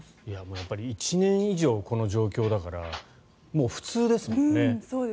やっぱり１年以上この状況だから普通ですもんね。